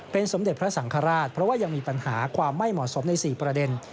สมเด็จพระสังฆราชเพราะว่ายังมีปัญหาความไม่เหมาะสมใน๔ประเด็น